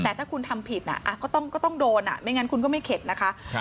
แต่ถ้าคุณทำผิดน่ะอ่ะก็ต้องก็ต้องโดนอ่ะไม่งั้นคุณก็ไม่เข็ดนะคะครับ